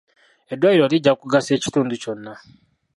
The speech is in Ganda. Eddwaliro lijja kugasa kitundu kyonna.